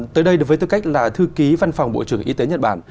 tới đây được với tư cách là thư ký văn phòng bộ trưởng y tế nhật bản